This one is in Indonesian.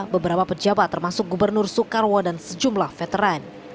beberapa pejabat termasuk gubernur soekarwo dan sejumlah veteran